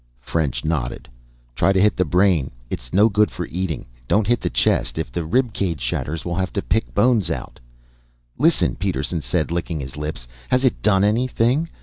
French nodded. "Try to hit the brain. It's no good for eating. Don't hit the chest. If the rib cage shatters, we'll have to pick bones out." "Listen," Peterson said, licking his lips. "Has it done anything?